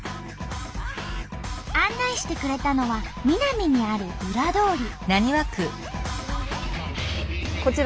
案内してくれたのはミナミにある裏通り。